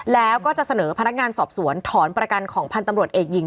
แล้วก็จะเสนอพนักงานสอบสวนถอนประกันของพันธ์ตำรวจเอกหญิง